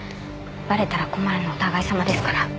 バレたら困るのお互いさまですから。